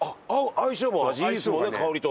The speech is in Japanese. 相性もいいですもんね香りと。